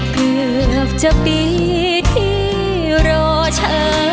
เกือบจะปีที่รอเธอ